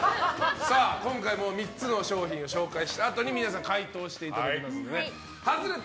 今回も３つの商品を紹介したあとに皆さん、解答していただきます。